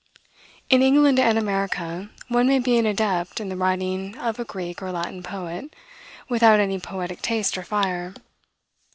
In England and America, one may be an adept in the writing of a Greek or Latin poet, without any poetic taste or fire.